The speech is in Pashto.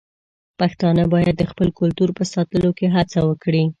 پښتانه بايد د خپل کلتور په ساتلو کې هڅه وکړي.